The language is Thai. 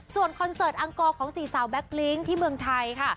ส่วนคอนเสิร์ตอังกอร์ของ๔สาวแบ็คพลิ้งที่เมืองไทยค่ะ